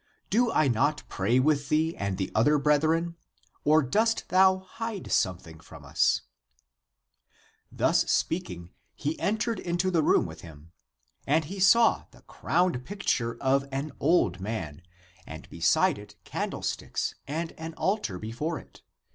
Do I not pray with thee and the other brethren ? Or dost thou hide something from us ?" Thus speaking, he entered into the room with him. And he saw the crowned picture of an old man, and beside it candlesticks and an altar before it.